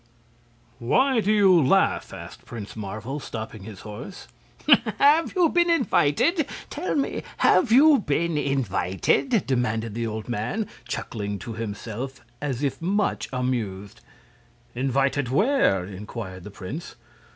"Why do you laugh?" asked Prince Marvel, stopping his horse. "Have you been invited? Tell me have you been invited?" demanded the old man, chuckling to himself as if much amused. "Invited where?" inquired the prince.